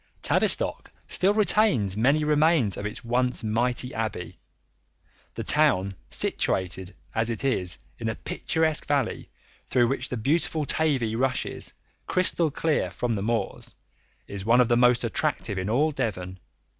Tavistock still retains many remains of its once mighty abbey. The town, situated as it is in a picturesque valley through which the beautiful Tavy rushes, crystal clear, from the moors, is one of the most attractive in all Devon.